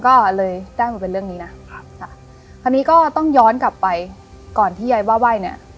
คนนี้ก็ต้องย้อนกลับไปก่อนที่ใยบ้าบายเนี่ย